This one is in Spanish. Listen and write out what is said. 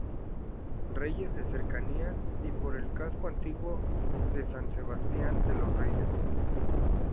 Reyes de cercanías y por el casco antiguo de San Sebastián de los Reyes.